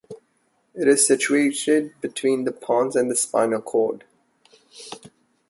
It is situated between the pons and the spinal cord.